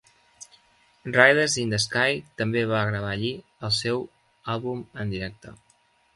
Riders in the Sky també va gravar allí el seu àlbum en directe.